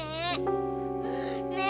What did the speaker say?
nek bangun nek